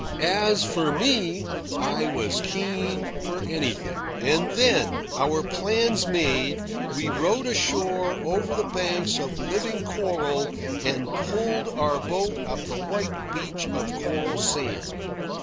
As for me, I was keen for anything. And then, our plans made, we rowed ashore over the banks of living coral and pulled our boat up the white beach of coral sand.